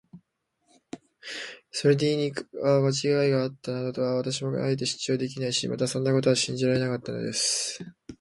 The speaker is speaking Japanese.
ソルディーニの課にまちがいがあったなどとは、私もあえて主張できないし、またそんなことは信じられなかったのです。